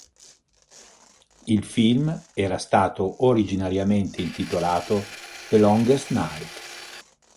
Il film era stato originariamente intitolato "The Longest Night".